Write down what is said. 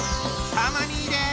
たま兄です。